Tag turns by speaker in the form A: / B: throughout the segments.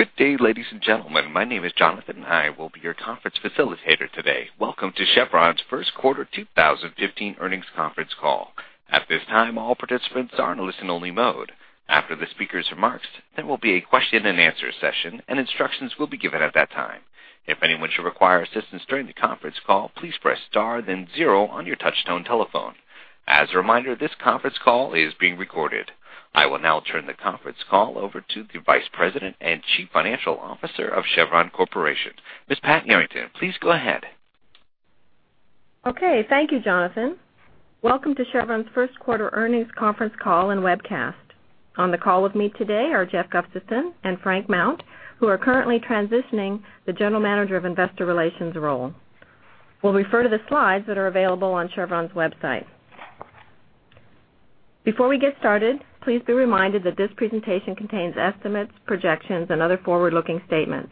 A: Good day, ladies and gentlemen. My name is Jonathan, and I will be your conference facilitator today. Welcome to Chevron's first quarter 2015 earnings conference call. At this time, all participants are in a listen-only mode. After the speaker's remarks, there will be a question-and-answer session, and instructions will be given at that time. If anyone should require assistance during the conference call, please press star then zero on your touchtone telephone. As a reminder, this conference call is being recorded. I will now turn the conference call over to the Vice President and Chief Financial Officer of Chevron Corporation. Ms. Pat Yarrington, please go ahead.
B: Okay. Thank you, Jonathan. Welcome to Chevron's first quarter earnings conference call and webcast. On the call with me today are Jeff Gustavson and Frank Mount, who are currently transitioning the General Manager of Investor Relations role. We'll refer to the slides that are available on Chevron's website. Before we get started, please be reminded that this presentation contains estimates, projections, and other forward-looking statements.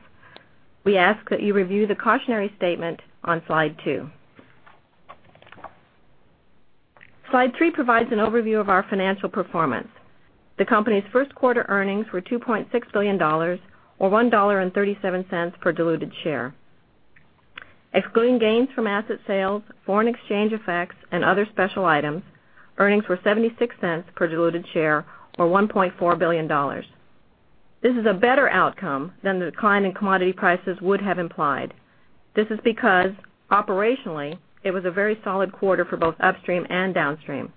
B: We ask that you review the cautionary statement on slide two. Slide three provides an overview of our financial performance. The company's first quarter earnings were $2.6 billion or $1.37 per diluted share. Excluding gains from asset sales, foreign exchange effects, and other special items, earnings were $0.76 per diluted share or $1.4 billion. This is a better outcome than the decline in commodity prices would have implied. This is because operationally, it was a very solid quarter for both upstream and downstream.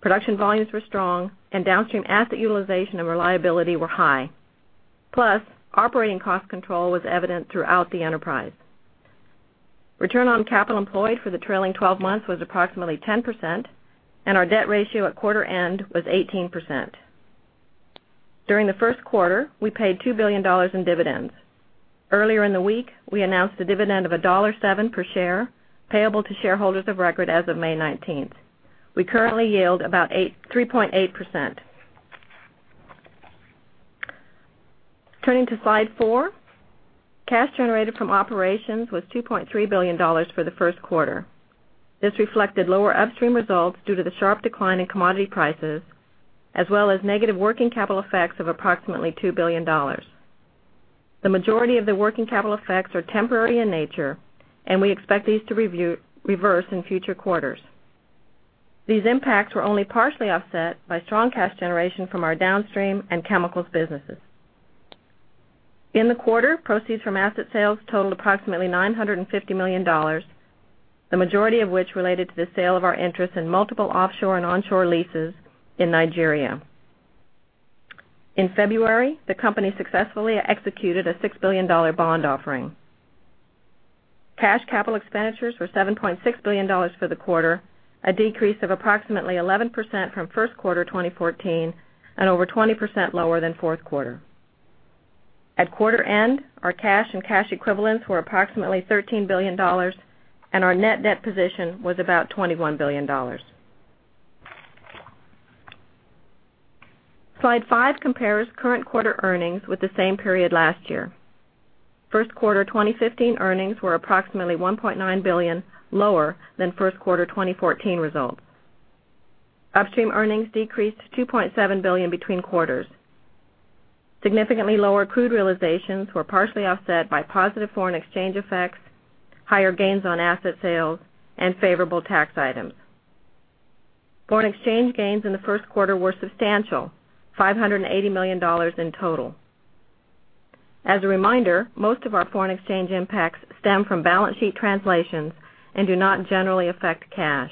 B: Production volumes were strong, and downstream asset utilization and reliability were high. Operating cost control was evident throughout the enterprise. Return on capital employed for the trailing 12 months was approximately 10%, and our debt ratio at quarter end was 18%. During the first quarter, we paid $2 billion in dividends. Earlier in the week, we announced a dividend of $1.07 per share, payable to shareholders of record as of May 19th. We currently yield about 3.8%. Turning to slide four, cash generated from operations was $2.3 billion for the first quarter. This reflected lower upstream results due to the sharp decline in commodity prices, as well as negative working capital effects of approximately $2 billion. The majority of the working capital effects are temporary in nature, and we expect these to reverse in future quarters. These impacts were only partially offset by strong cash generation from our downstream and chemicals businesses. In the quarter, proceeds from asset sales totaled approximately $950 million, the majority of which related to the sale of our interest in multiple offshore and onshore leases in Nigeria. In February, the company successfully executed a $6 billion bond offering. Cash capital expenditures were $7.6 billion for the quarter, a decrease of approximately 11% from first quarter 2014, and over 20% lower than fourth quarter. At quarter end, our cash and cash equivalents were approximately $13 billion, and our net-debt position was about $21 billion. Slide five compares current quarter earnings with the same period last year. First quarter 2015 earnings were approximately $1.9 billion lower than first quarter 2014 results. Upstream earnings decreased $2.7 billion between quarters. Significantly lower crude realizations were partially offset by positive foreign exchange effects, higher gains on asset sales, and favorable tax items. Foreign exchange gains in the first quarter were substantial, $580 million in total. As a reminder, most of our foreign exchange impacts stem from balance sheet translations and do not generally affect cash.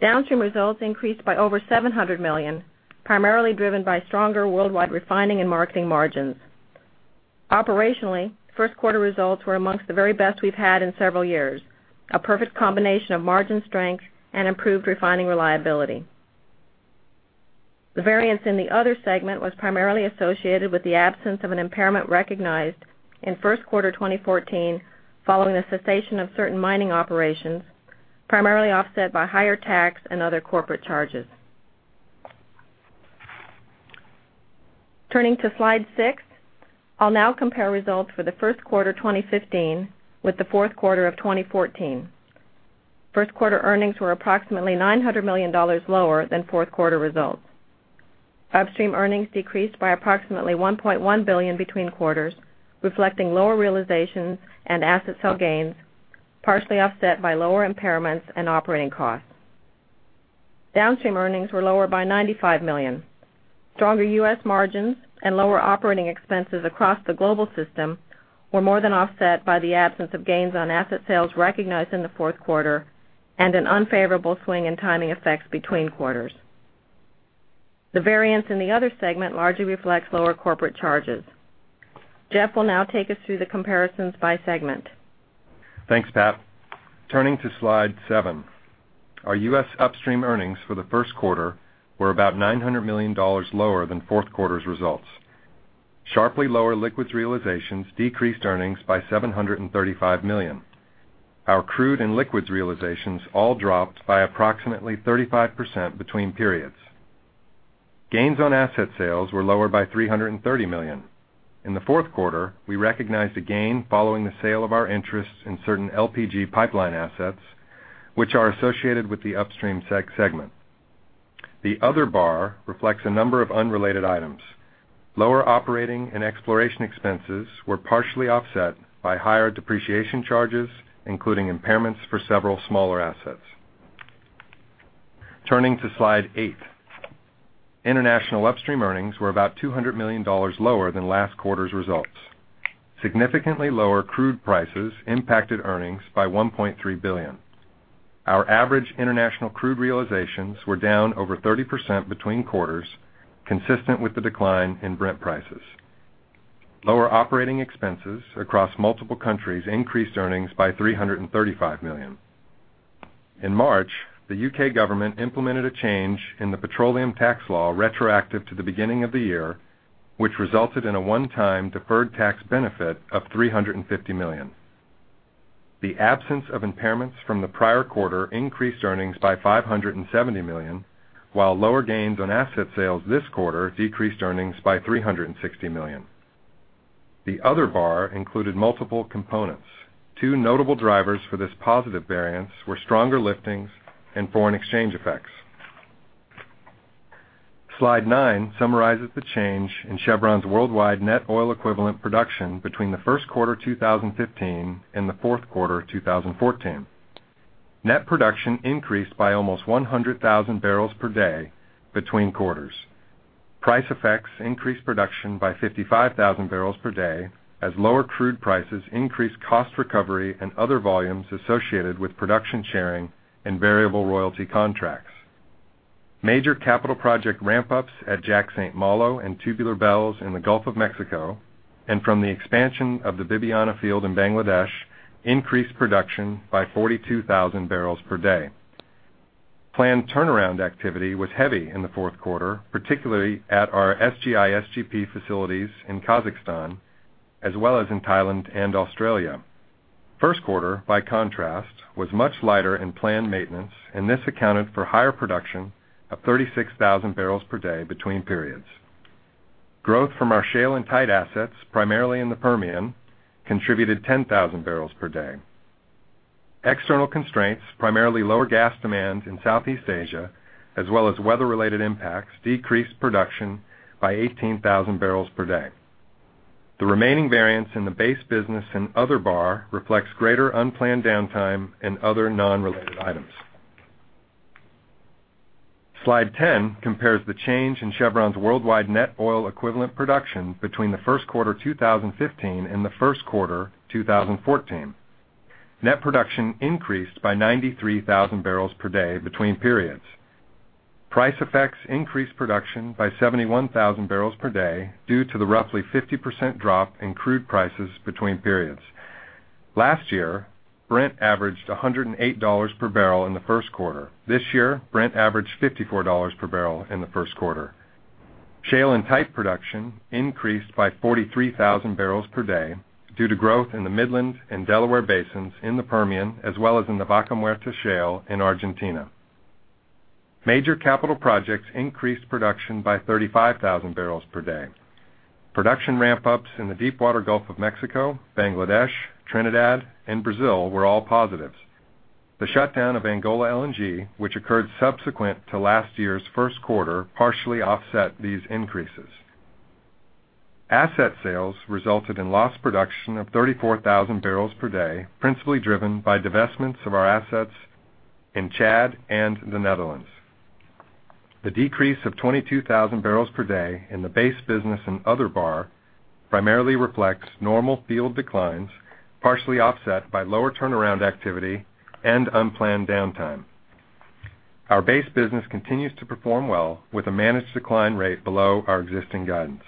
B: Downstream results increased by over $700 million, primarily driven by stronger worldwide refining and marketing margins. Operationally, first quarter results were amongst the very best we've had in several years, a perfect combination of margin strength and improved refining reliability. The variance in the other segment was primarily associated with the absence of an impairment recognized in first quarter 2014 following the cessation of certain mining operations, primarily offset by higher tax and other corporate charges. Turning to slide six, I will now compare results for the first quarter 2015 with the fourth quarter of 2014. First quarter earnings were approximately $900 million lower than fourth quarter results. Upstream earnings decreased by approximately $1.1 billion between quarters, reflecting lower realizations and asset sale gains, partially offset by lower impairments and operating costs. Downstream earnings were lower by $95 million. Stronger U.S. margins and lower operating expenses across the global system were more than offset by the absence of gains on asset sales recognized in the fourth quarter and an unfavorable swing in timing effects between quarters. The variance in the other segment largely reflects lower corporate charges. Jeff will now take us through the comparisons by segment.
C: Thanks, Pat. Turning to slide seven. Our U.S. upstream earnings for the first quarter were about $900 million lower than fourth quarter's results. Sharply lower liquids realizations decreased earnings by $735 million. Our crude and liquids realizations all dropped by approximately 35% between periods. Gains on asset sales were lower by $330 million. In the fourth quarter, we recognized a gain following the sale of our interests in certain LPG pipeline assets, which are associated with the upstream segment. The other bar reflects a number of unrelated items. Lower operating and exploration expenses were partially offset by higher depreciation charges, including impairments for several smaller assets. Turning to slide eight. International upstream earnings were about $200 million lower than last quarter's results. Significantly lower crude prices impacted earnings by $1.3 billion. Our average international crude realizations were down over 30% between quarters, consistent with the decline in Brent prices. Lower operating expenses across multiple countries increased earnings by $335 million. In March, the U.K. government implemented a change in the petroleum tax law retroactive to the beginning of the year, which resulted in a one-time deferred tax benefit of $350 million. The absence of impairments from the prior quarter increased earnings by $570 million, while lower gains on asset sales this quarter decreased earnings by $360 million. The other bar included multiple components. Two notable drivers for this positive variance were stronger liftings and foreign exchange effects. Slide nine summarizes the change in Chevron's worldwide net oil equivalent production between the first quarter 2015 and the fourth quarter 2014. Net production increased by almost 100,000 barrels per day between quarters. Price effects increased production by 55,000 barrels per day, as lower crude prices increased cost recovery and other volumes associated with production sharing and variable royalty contracts. Major capital project ramp-ups at Jack St. Malo and Tubular Bells in the Gulf of Mexico, and from the expansion of the Bibiyana field in Bangladesh increased production by 42,000 barrels per day. Planned turnaround activity was heavy in the fourth quarter, particularly at our SGI/SGP facilities in Kazakhstan, as well as in Thailand and Australia. First quarter, by contrast, was much lighter in planned maintenance, and this accounted for higher production of 36,000 barrels per day between periods. Growth from our shale and tight assets, primarily in the Permian, contributed 10,000 barrels per day. External constraints, primarily lower gas demand in Southeast Asia, as well as weather-related impacts, decreased production by 18,000 barrels per day. The remaining variance in the base business and other bar reflects greater unplanned downtime and other non-related items. Slide 10 compares the change in Chevron's worldwide net oil equivalent production between the first quarter 2015 and the first quarter 2014. Net production increased by 93,000 barrels per day between periods. Price effects increased production by 71,000 barrels per day due to the roughly 50% drop in crude prices between periods. Last year, Brent averaged $108 per barrel in the first quarter. This year, Brent averaged $54 per barrel in the first quarter. Shale and tight production increased by 43,000 barrels per day due to growth in the Midland and Delaware Basins in the Permian, as well as in the Vaca Muerta Shale in Argentina. Major capital projects increased production by 35,000 barrels per day. Production ramp-ups in the deep water Gulf of Mexico, Bangladesh, Trinidad, and Brazil were all positives. The shutdown of Angola LNG, which occurred subsequent to last year's first quarter, partially offset these increases. Asset sales resulted in lost production of 34,000 barrels per day, principally driven by divestments of our assets in Chad and the Netherlands. The decrease of 22,000 barrels per day in the base business and other bar primarily reflects normal field declines, partially offset by lower turnaround activity and unplanned downtime. Our base business continues to perform well with a managed decline rate below our existing guidance.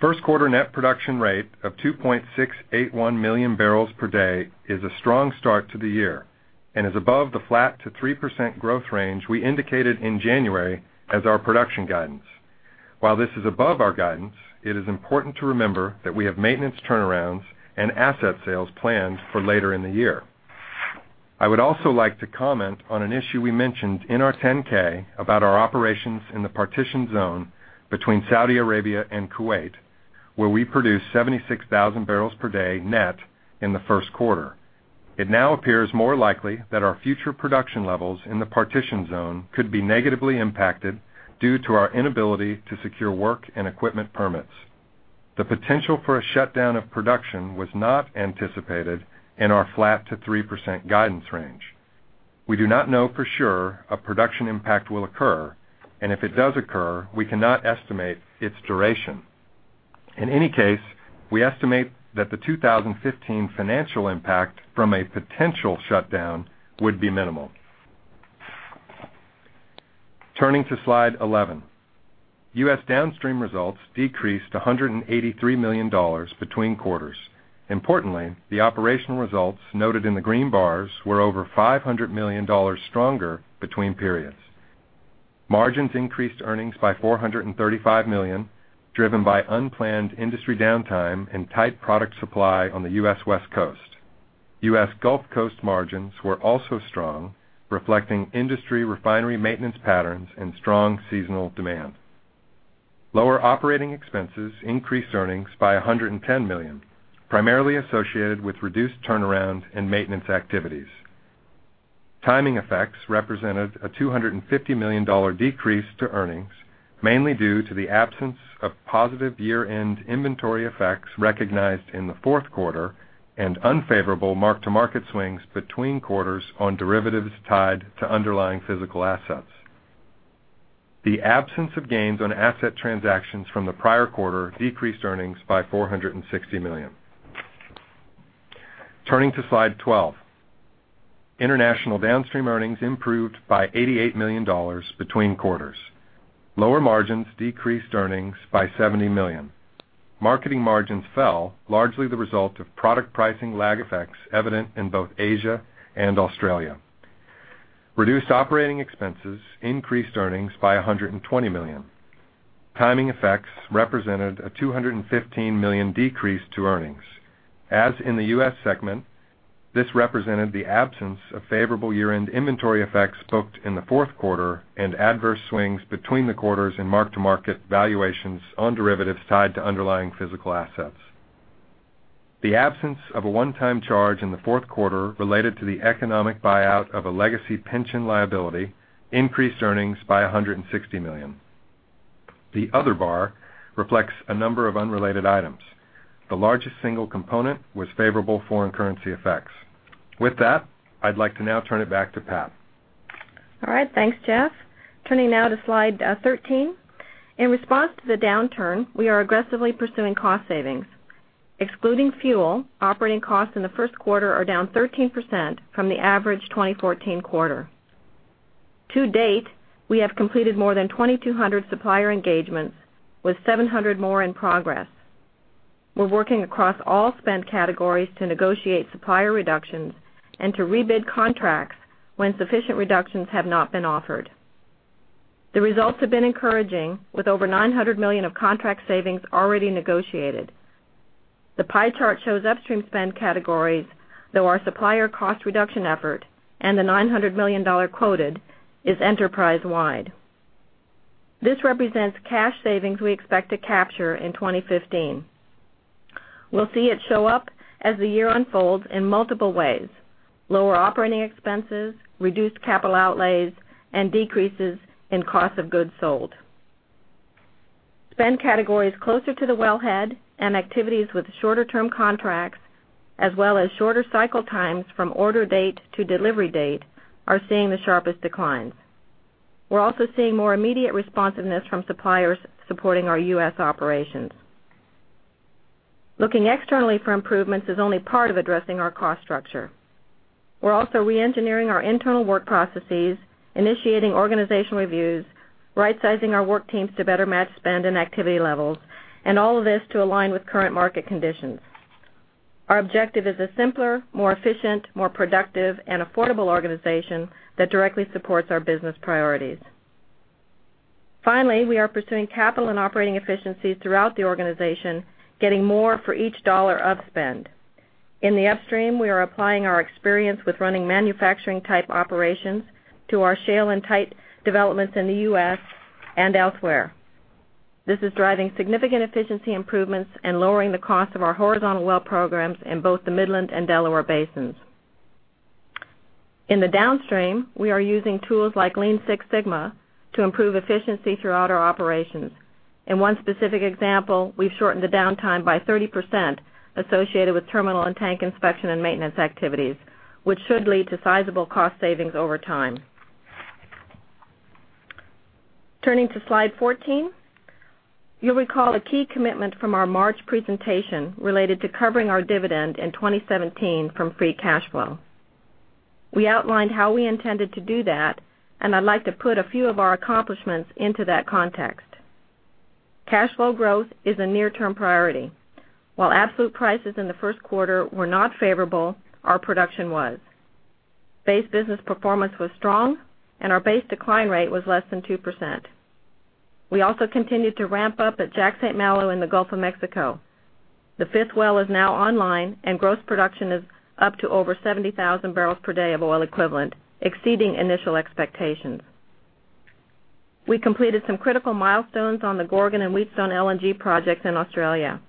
C: First quarter net production rate of 2.681 million barrels per day is a strong start to the year and is above the flat to 3% growth range we indicated in January as our production guidance. While this is above our guidance, it is important to remember that we have maintenance turnarounds and asset sales planned for later in the year. I would also like to comment on an issue we mentioned in our 10-K about our operations in the Partitioned Zone between Saudi Arabia and Kuwait, where we produced 76,000 barrels per day net in the first quarter. It now appears more likely that our future production levels in the Partitioned Zone could be negatively impacted due to our inability to secure work and equipment permits. The potential for a shutdown of production was not anticipated in our flat to 3% guidance range. We do not know for sure a production impact will occur, and if it does occur, we cannot estimate its duration. In any case, we estimate that the 2015 financial impact from a potential shutdown would be minimal. Turning to Slide 11. U.S. downstream results decreased to $183 million between quarters. Importantly, the operational results noted in the green bars were over $500 million stronger between periods. Margins increased earnings by $435 million, driven by unplanned industry downtime and tight product supply on the U.S. West Coast. U.S. Gulf Coast margins were also strong, reflecting industry refinery maintenance patterns and strong seasonal demand. Lower operating expenses increased earnings by $110 million, primarily associated with reduced turnaround in maintenance activities. Timing effects represented a $250 million decrease to earnings, mainly due to the absence of positive year-end inventory effects recognized in the fourth quarter, and unfavorable mark-to-market swings between quarters on derivatives tied to underlying physical assets. The absence of gains on asset transactions from the prior quarter decreased earnings by $460 million. Turning to slide 12. International downstream earnings improved by $88 million between quarters. Lower margins decreased earnings by $70 million. Marketing margins fell, largely the result of product pricing lag effects evident in both Asia and Australia. Reduced operating expenses increased earnings by $120 million. Timing effects represented a $215 million decrease to earnings. As in the U.S. segment, this represented the absence of favorable year-end inventory effects booked in the fourth quarter and adverse swings between the quarters in mark-to-market valuations on derivatives tied to underlying physical assets. The absence of a one-time charge in the fourth quarter related to the economic buyout of a legacy pension liability increased earnings by $160 million. The other bar reflects a number of unrelated items. The largest single component was favorable foreign currency effects. With that, I'd like to now turn it back to Pat.
B: All right. Thanks, Jeff. Turning now to slide 13. In response to the downturn, we are aggressively pursuing cost savings. Excluding fuel, operating costs in the first quarter are down 13% from the average 2014 quarter. To date, we have completed more than 2,200 supplier engagements with 700 more in progress. We're working across all spend categories to negotiate supplier reductions and to re-bid contracts when sufficient reductions have not been offered. The results have been encouraging, with over $900 million of contract savings already negotiated. The pie chart shows upstream spend categories, though our supplier cost reduction effort and the $900 million quoted is enterprise-wide. This represents cash savings we expect to capture in 2015. We'll see it show up as the year unfolds in multiple ways: lower operating expenses, reduced capital outlays, and decreases in cost of goods sold. Spend categories closer to the wellhead and activities with shorter term contracts, as well as shorter cycle times from order date to delivery date, are seeing the sharpest declines. We're also seeing more immediate responsiveness from suppliers supporting our U.S. operations. Looking externally for improvements is only part of addressing our cost structure. We're also re-engineering our internal work processes, initiating organizational reviews, right-sizing our work teams to better match spend and activity levels, all of this to align with current market conditions. Our objective is a simpler, more efficient, more productive, and affordable organization that directly supports our business priorities. Finally, we are pursuing capital and operating efficiencies throughout the organization, getting more for each dollar of spend. In the upstream, we are applying our experience with running manufacturing type operations to our shale and tight developments in the U.S. and elsewhere. This is driving significant efficiency improvements and lowering the cost of our horizontal well programs in both the Midland and Delaware Basins. In the downstream, we are using tools like Lean Six Sigma to improve efficiency throughout our operations. In one specific example, we've shortened the downtime by 30% associated with terminal and tank inspection and maintenance activities, which should lead to sizable cost savings over time. Turning to slide 14. You'll recall a key commitment from our March presentation related to covering our dividend in 2017 from free cash flow. We outlined how we intended to do that. I'd like to put a few of our accomplishments into that context. Cash flow growth is a near-term priority. While absolute prices in the first quarter were not favorable, our production was. Base business performance was strong, our base decline rate was less than 2%. We also continued to ramp up at Jack St. Malo in the Gulf of Mexico. The fifth well is now online, gross production is up to over 70,000 barrels per day of oil equivalent, exceeding initial expectations. We completed some critical milestones on the Gorgon and Wheatstone LNG projects in Australia.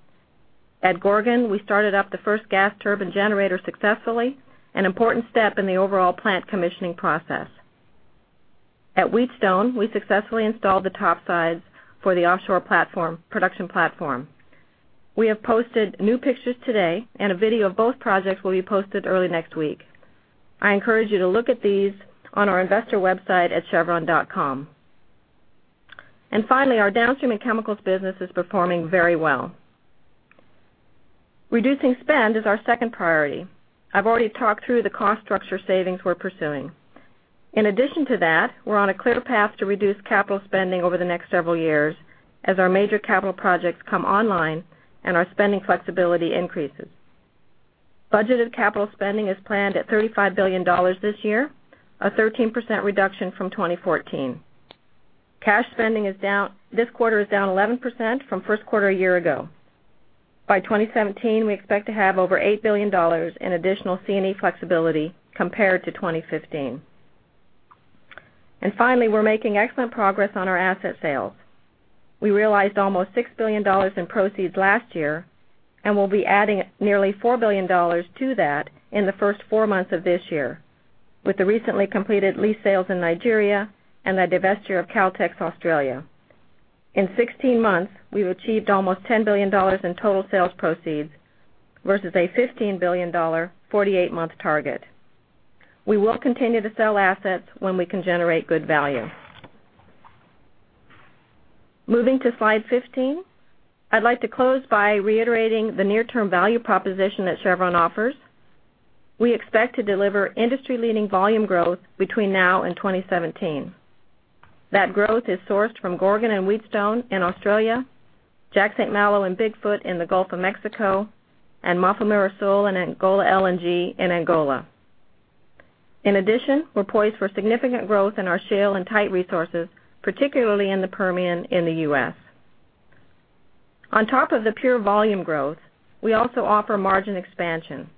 B: At Gorgon, we started up the first gas turbine generator successfully, an important step in the overall plant commissioning process. At Wheatstone, we successfully installed the topsides for the offshore production platform. We have posted new pictures today. A video of both projects will be posted early next week. I encourage you to look at these on our investor website at chevron.com. Finally, our downstream and chemicals business is performing very well. Reducing spend is our second priority. I've already talked through the cost structure savings we're pursuing. In addition to that, we're on a clear path to reduce capital spending over the next several years as our major capital projects come online, our spending flexibility increases. Budgeted capital spending is planned at $35 billion this year, a 13% reduction from 2014. Cash spending this quarter is down 11% from first quarter a year ago. By 2017, we expect to have over $8 billion in additional C&E flexibility compared to 2015. Finally, we're making excellent progress on our asset sales. We realized almost $6 billion in proceeds last year. We'll be adding nearly $4 billion to that in the first four months of this year, with the recently completed lease sales in Nigeria and the divestiture of Caltex Australia. In 16 months, we've achieved almost $10 billion in total sales proceeds versus a $15 billion 48-month target. We will continue to sell assets when we can generate good value. Moving to slide 15. I'd like to close by reiterating the near-term value proposition that Chevron offers. We expect to deliver industry-leading volume growth between now and 2017. That growth is sourced from Gorgon and Wheatstone in Australia, Jack St. Malo and Big Foot in the Gulf of Mexico, and Mafumeira Sul and Angola LNG in Angola. In addition, we're poised for significant growth in our shale and tight resources, particularly in the Permian in the U.S. On top of the pure volume growth, we also offer margin expansion.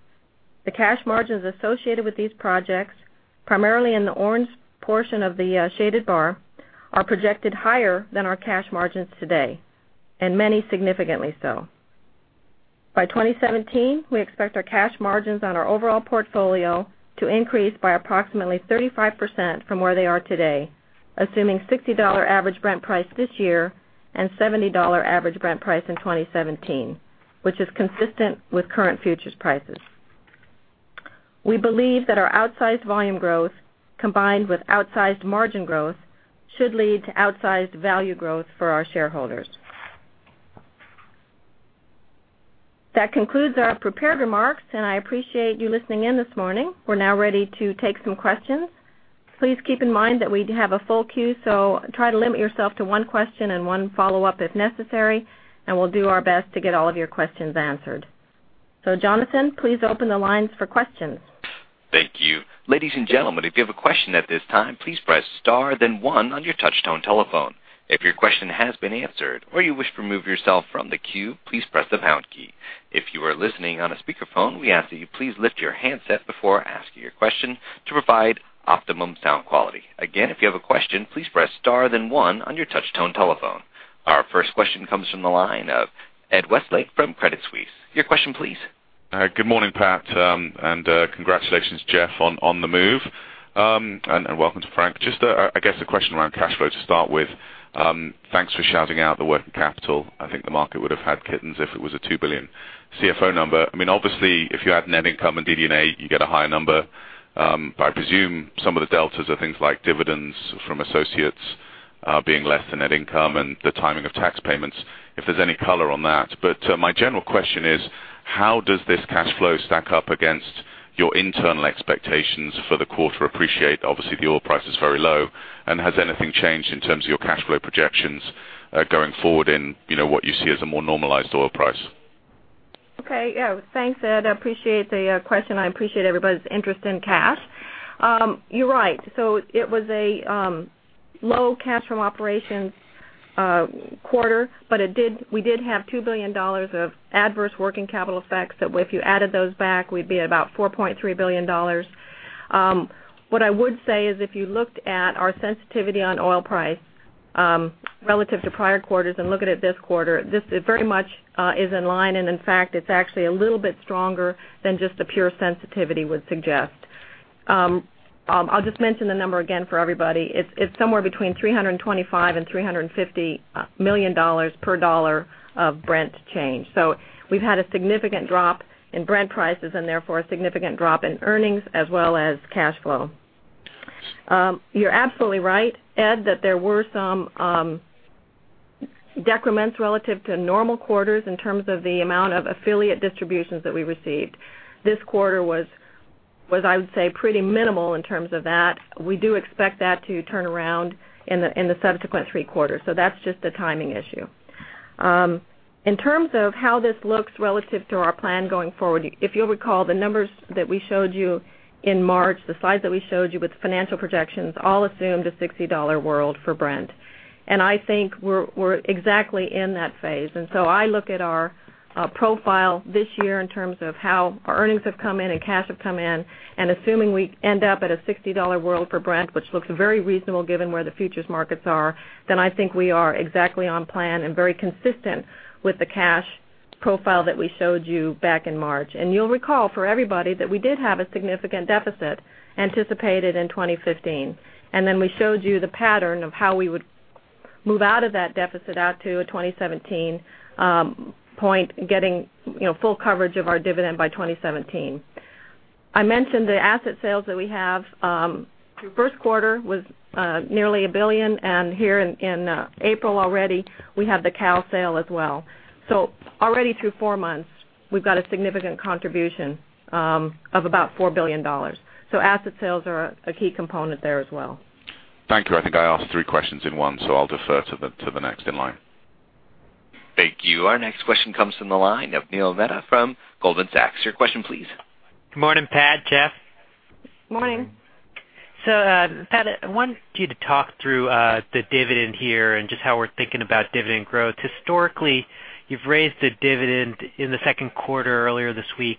B: The cash margins associated with these projects, primarily in the orange portion of the shaded bar, are projected higher than our cash margins today, and many significantly so. By 2017, we expect our cash margins on our overall portfolio to increase by approximately 35% from where they are today, assuming $60 average Brent price this year and $70 average Brent price in 2017, which is consistent with current futures prices. We believe that our outsized volume growth, combined with outsized margin growth, should lead to outsized value growth for our shareholders. That concludes our prepared remarks. I appreciate you listening in this morning. We're now ready to take some questions. Please keep in mind that we have a full queue, so try to limit yourself to one question and one follow-up if necessary, and we'll do our best to get all of your questions answered. Jonathan, please open the lines for questions.
A: Thank you. Ladies and gentlemen, if you have a question at this time, please press star then one on your touchtone telephone. If your question has been answered or you wish to remove yourself from the queue, please press the pound key. If you are listening on a speakerphone, we ask that you please lift your handset before asking your question to provide optimum sound quality. Again, if you have a question, please press star then one on your touchtone telephone. Our first question comes from the line of Ed Westlake from Credit Suisse. Your question please.
D: Good morning, Pat. Congratulations, Jeff, on the move. Welcome to Frank. Just, I guess a question around cash flow to start with. Thanks for shouting out the working capital. I think the market would have had kittens if it was a $2 billion CFO number. Obviously, if you add net income and DD&A, you get a higher number. I presume some of the deltas are things like dividends from associates being less than net income and the timing of tax payments, if there's any color on that. My general question is, how does this cash flow stack up against your internal expectations for the quarter? Appreciate, obviously, the oil price is very low. Has anything changed in terms of your cash flow projections going forward in what you see as a more normalized oil price?
B: Thanks, Ed. I appreciate the question. I appreciate everybody's interest in cash. You're right. It was a low cash from operations quarter, but we did have $2 billion of adverse working capital effects that if you added those back, we'd be at about $4.3 billion. What I would say is if you looked at our sensitivity on oil price relative to prior quarters and look at it this quarter, this very much is in line, and in fact, it's actually a little bit stronger than just a pure sensitivity would suggest. I'll just mention the number again for everybody. It's somewhere between $325 million and $350 million per dollar of Brent change. We've had a significant drop in Brent prices and therefore a significant drop in earnings as well as cash flow. You're absolutely right, Ed, that there were some decrements relative to normal quarters in terms of the amount of affiliate distributions that we received. This quarter was, I would say, pretty minimal in terms of that. We do expect that to turn around in the subsequent three quarters. That's just a timing issue. In terms of how this looks relative to our plan going forward, if you'll recall, the numbers that we showed you in March, the slides that we showed you with financial projections all assumed a $60 world for Brent. I think we're exactly in that phase. I look at our profile this year in terms of how our earnings have come in and cash have come in, and assuming we end up at a $60 world for Brent, which looks very reasonable given where the futures markets are, then I think we are exactly on plan and very consistent with the cash profile that we showed you back in March. You'll recall for everybody that we did have a significant deficit anticipated in 2015. We showed you the pattern of how we would move out of that deficit out to a 2017 point, getting full coverage of our dividend by 2017. I mentioned the asset sales that we have through first quarter was nearly $1 billion, and here in April already we have the Caltex sale as well. Already through four months, we've got a significant contribution of about $4 billion. Asset sales are a key component there as well.
D: Thank you. I think I asked three questions in one, I'll defer to the next in line.
A: Thank you. Our next question comes from the line of Neil Mehta from Goldman Sachs. Your question, please.
E: Good morning, Pat, Jeff.
B: Morning.
E: Pat, I want you to talk through the dividend here and just how we're thinking about dividend growth. Historically, you've raised the dividend in the second quarter earlier this week,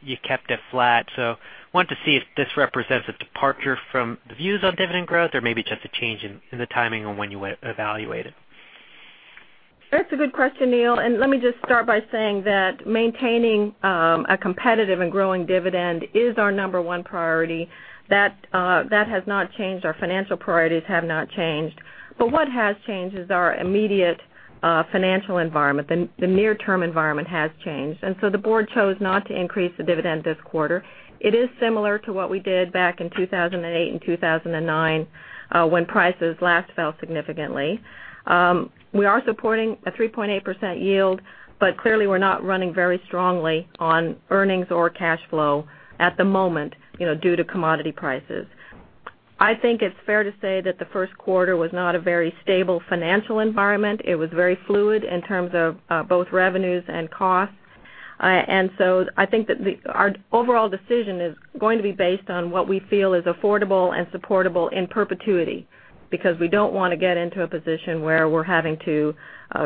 E: you kept it flat. I want to see if this represents a departure from the views on dividend growth or maybe just a change in the timing on when you evaluate it.
B: That's a good question, Neil. Let me just start by saying that maintaining a competitive and growing dividend is our number one priority. That has not changed. Our financial priorities have not changed. What has changed is our immediate financial environment. The near-term environment has changed. The board chose not to increase the dividend this quarter. It is similar to what we did back in 2008 and 2009, when prices last fell significantly. We are supporting a 3.8% yield, but clearly we're not running very strongly on earnings or cash flow at the moment due to commodity prices. I think it's fair to say that the first quarter was not a very stable financial environment. It was very fluid in terms of both revenues and costs. I think that our overall decision is going to be based on what we feel is affordable and supportable in perpetuity, because we don't want to get into a position where we're having to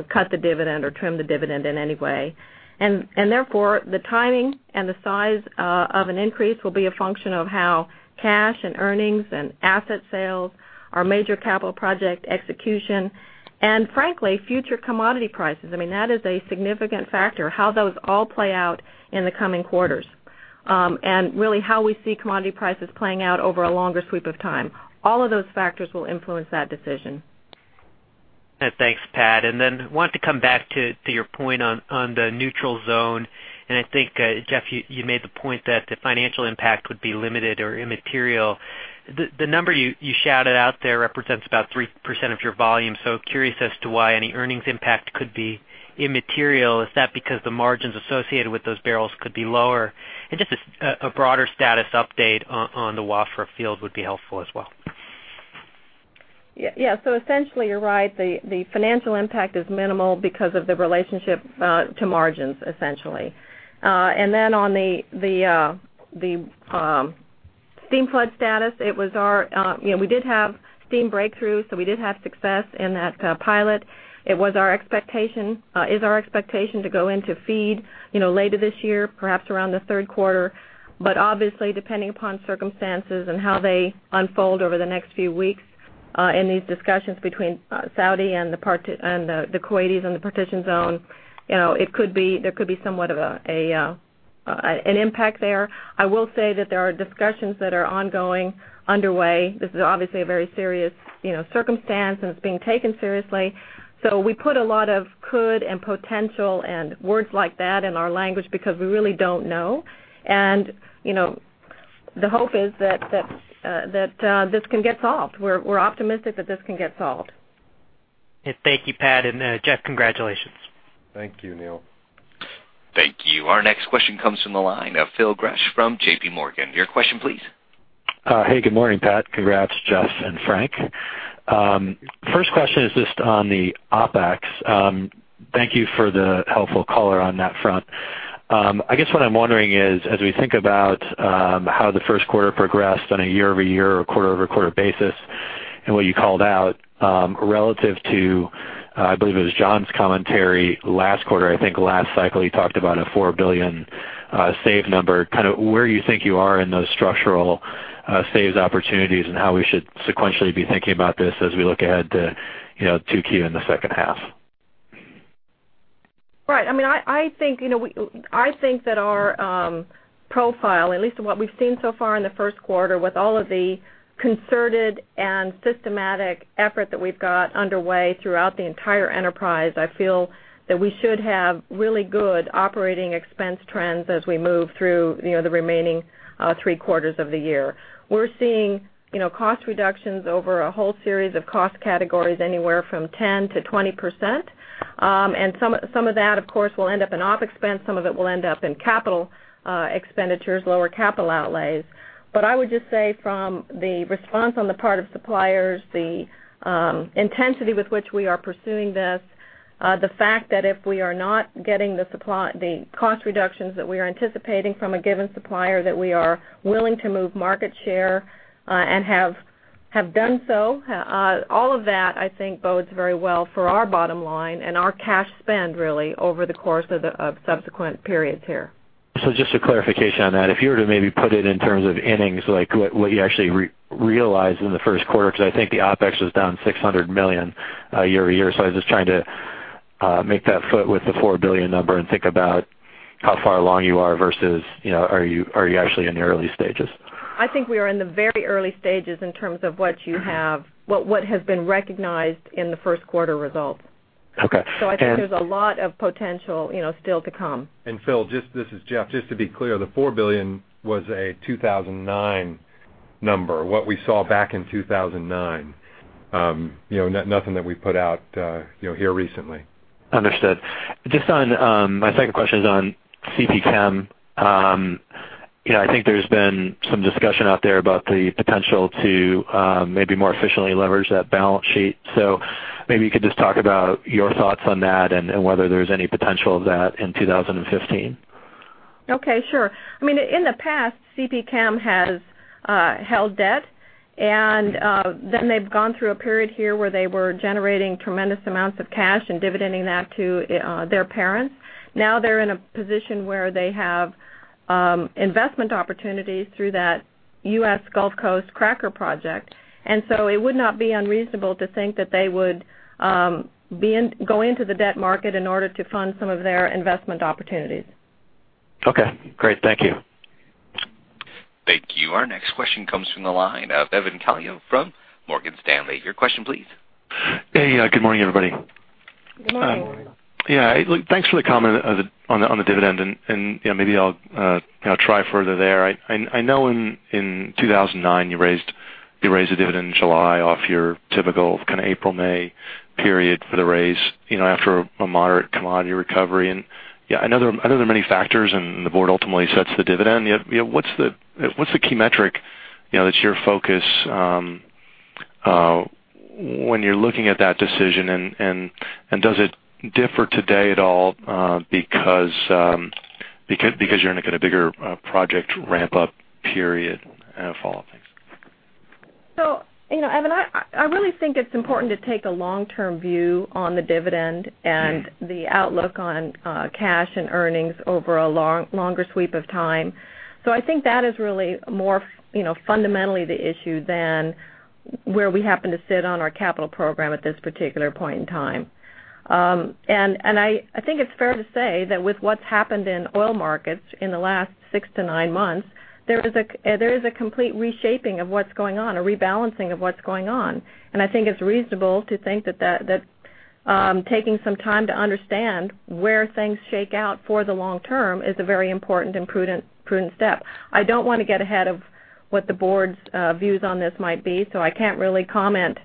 B: cut the dividend or trim the dividend in any way. Therefore, the timing and the size of an increase will be a function of how cash and earnings and asset sales, our major capital project execution, frankly, future commodity prices. That is a significant factor, how those all play out in the coming quarters. Really how we see commodity prices playing out over a longer sweep of time. All of those factors will influence that decision.
E: Thanks, Pat. Then wanted to come back to your point on the Partitioned Zone, and I think, Jeff, you made the point that the financial impact would be limited or immaterial. The number you shouted out there represents about 3% of your volume. Curious as to why any earnings impact could be immaterial. Is that because the margins associated with those barrels could be lower? Just a broader status update on the Wafra field would be helpful as well.
B: Yeah. Essentially you're right, the financial impact is minimal because of the relationship to margins, essentially. Then on the steam flood status, we did have steam breakthrough, so we did have success in that pilot. It is our expectation to go into feed later this year, perhaps around the third quarter, but obviously depending upon circumstances and how they unfold over the next few weeks in these discussions between Saudi and the Kuwaitis and the Partitioned Zone, there could be somewhat of an impact there. I will say that there are discussions that are ongoing, underway. This is obviously a very serious circumstance, and it's being taken seriously. We put a lot of could and potential and words like that in our language because we really don't know. The hope is that this can get solved. We're optimistic that this can get solved.
E: Thank you, Pat, and Jeff, congratulations.
C: Thank you, Neil.
A: Thank you. Our next question comes from the line of Phil Gresh from J.P. Morgan. Your question, please.
F: Hey, good morning, Pat. Congrats, Jeff and Frank. First question is just on the OpEx. Thank you for the helpful color on that front. I guess what I'm wondering is, as we think about how the first quarter progressed on a year-over-year or quarter-over-quarter basis and what you called out, relative to, I believe it was John's commentary last quarter, I think last cycle, he talked about a $4 billion save number, where you think you are in those structural saves opportunities and how we should sequentially be thinking about this as we look ahead to 2Q in the second half.
B: Right. I think that our profile, at least what we've seen so far in the first quarter, with all of the concerted and systematic effort that we've got underway throughout the entire enterprise, I feel that we should have really good operating expense trends as we move through the remaining three quarters of the year. We're seeing cost reductions over a whole series of cost categories, anywhere from 10%-20%. Some of that, of course, will end up in OpEx, some of it will end up in CapEx, lower capital outlays. I would just say from the response on the part of suppliers, the intensity with which we are pursuing this, the fact that if we are not getting the cost reductions that we are anticipating from a given supplier, that we are willing to move market share and have done so. All of that, I think bodes very well for our bottom line and our cash spend really over the course of subsequent periods here.
F: Just a clarification on that. If you were to maybe put it in terms of innings, like what you actually realized in the first quarter, because I think the OpEx was down $600 million year-over-year. I was just trying to make that foot with the $4 billion number and think about how far along you are versus are you actually in the early stages?
B: I think we are in the very early stages in terms of what has been recognized in the first quarter results.
F: Okay.
B: I think there's a lot of potential still to come.
C: Phil, this is Jeff. Just to be clear, the $4 billion was a 2009 number. What we saw back in 2009. Nothing that we put out here recently.
F: Understood. My second question is on CPChem. I think there's been some discussion out there about the potential to maybe more efficiently leverage that balance sheet. Maybe you could just talk about your thoughts on that and whether there's any potential of that in 2015.
B: Okay, sure. In the past, CPChem has held debt and then they've gone through a period here where they were generating tremendous amounts of cash and dividending that to their parents. Now they're in a position where they have investment opportunities through that U.S. Gulf Coast cracker project, it would not be unreasonable to think that they would go into the debt market in order to fund some of their investment opportunities.
F: Okay, great. Thank you.
A: Thank you. Our next question comes from the line of Evan Calio from Morgan Stanley. Your question, please.
G: Hey, good morning, everybody.
B: Good morning.
G: Yeah. Thanks for the comment on the dividend. Maybe I'll try further there. I know in 2009, you raised the dividend in July off your typical kind of April, May period for the raise after a moderate commodity recovery. I know there are many factors, and the board ultimately sets the dividend. What's the key metric that's your focus when you're looking at that decision? Does it differ today at all because you're in a bigger project ramp-up period? A follow-up. Thanks.
B: Evan, I really think it's important to take a long-term view on the dividend and the outlook on cash and earnings over a longer sweep of time. I think that is really more fundamentally the issue than where we happen to sit on our capital program at this particular point in time. I think it's fair to say that with what's happened in oil markets in the last six to nine months, there is a complete reshaping of what's going on, a rebalancing of what's going on. I think it's reasonable to think that taking some time to understand where things shake out for the long term is a very important and prudent step. I don't want to get ahead of what the board's views on this might be, so I can't really comment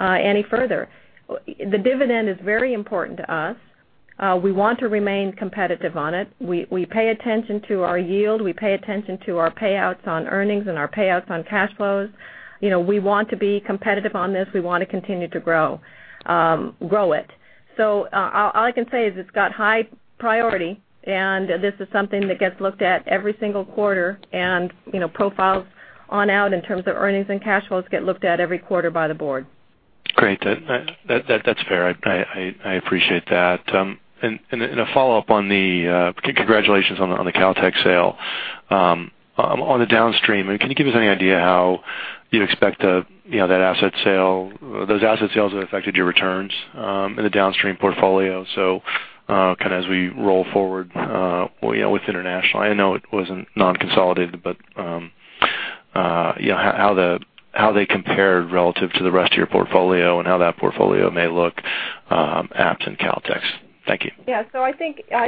B: any further. The dividend is very important to us. We want to remain competitive on it. We pay attention to our yield. We pay attention to our payouts on earnings and our payouts on cash flows. We want to be competitive on this. We want to continue to grow it. All I can say is it's got high priority, and this is something that gets looked at every single quarter, and profiles on out in terms of earnings and cash flows get looked at every quarter by the board.
G: Great. That's fair. I appreciate that. A follow-up on the-- congratulations on the Caltex sale. On the downstream, can you give us any idea how you expect those asset sales that affected your returns in the downstream portfolio? As we roll forward with international, I know it wasn't non-consolidated, but how they compared relative to the rest of your portfolio and how that portfolio may look absent Caltex. Thank you.
B: Yeah. I